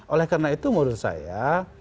oleh karena itu menurut saya